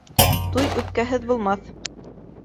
Туй үпкәһеҙ булмаҫ.